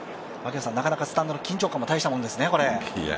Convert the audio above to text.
なかなかスタンドの緊張感もたいしたものですね。